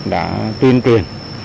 đã tuyên truyền